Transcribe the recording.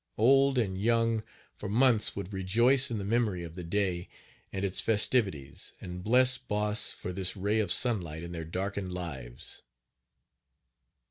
Old and young, for months, would rejoice in the memory of the day and its festivities, and "bless" Boss for this ray of sunlight in their darkened lives.